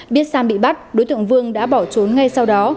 biết sang bị bắt đối tượng vương đã bỏ trốn ngay sau đó